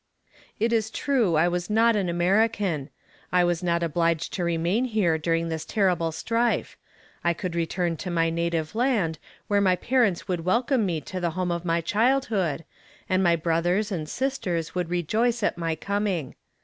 It is true, I was not an American I was not obliged to remain here during this terrible strife I could return to my native land where my parents would welcome me to the home of my childhood, and my brothers and sisters would rejoice at my coming.